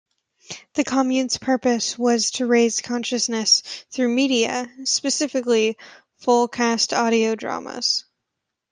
The commune's purpose was to raise consciousness through media, specifically full-cast audio dramas.